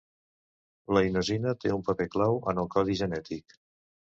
La inosina té un paper clau en el codi genètic.